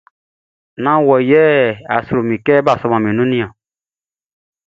Nán wɔ yɛ a sro mi kɛ bʼa sɔman mi nunʼn niɔn.